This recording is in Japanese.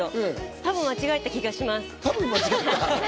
多分、間違えた気がします。